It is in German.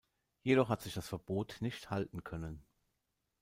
Jedoch hat sich das Verbot nicht halten können.